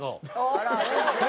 あら！